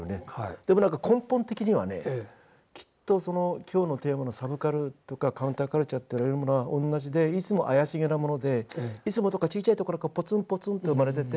でも何か根本的にはねきっと今日のテーマのサブカルとかカウンターカルチャーと言われるものは同じでいつもあやしげなものでいつもどこか小さいところからポツンポツンと生まれ出て。